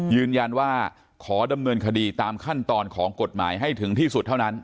ยืนยันว่าขอดำเนินคดีตามขั้นตอนของกฎหมายให้ถึงที่สุดเท่านั้น